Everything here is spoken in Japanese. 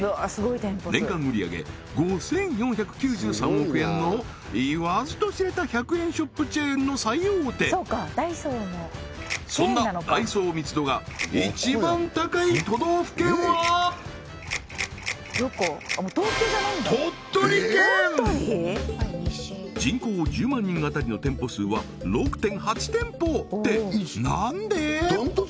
続いては言わずと知れた１００円ショップチェーンの最大手そんなダイソー密度が一番高い都道府県は人口１０万人当たりの店舗数は６．８店舗ってなんで！？